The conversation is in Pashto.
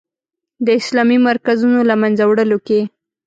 د اسلامي مرکزونو له منځه وړلو کې.